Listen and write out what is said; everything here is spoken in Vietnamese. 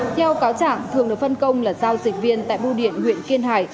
theo cáo chẳng thường được phân công là giao dịch viên tại bưu điện huyện kiên hải